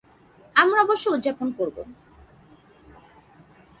আমরা অবশ্য উদযাপন করব।